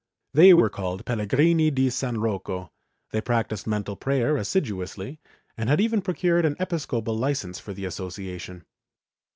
They were called Pellegrini di S. Rocco, they practised mental prayer assiduously and had even procured an episcopal licence for the association.